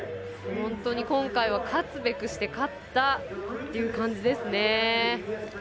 本当に今回は勝つべくして勝ったという感じですね。